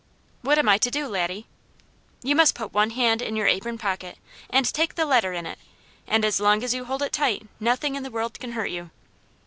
"What am I to do, Laddie?" "You must put one hand in your apron pocket and take the letter in it, and as long as you hold it tight, nothing in the world can hurt you.